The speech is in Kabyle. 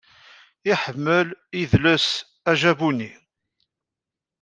Iḥemmel idles ajabuni